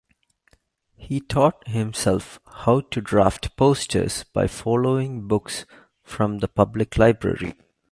He taught himself how to draft posters by following books from the public library.